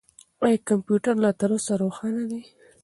آیا کمپیوټر لا تر اوسه روښانه دی؟